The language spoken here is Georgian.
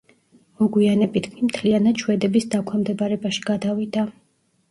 მოგვიანებით კი მთლიანად შვედების დაქვემდებარებაში გადავიდა.